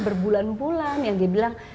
berbulan bulan yang dia bilang